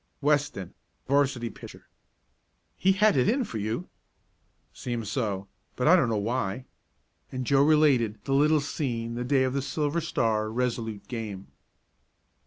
"Weston 'varsity pitcher." "He had it in for you." "Seemed so, but I don't know why," and Joe related the little scene the day of the Silver Star Resolute game.